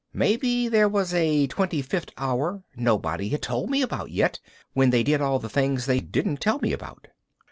Maybe there was a 25th hour nobody had told me about yet when they did all the things they didn't tell me about.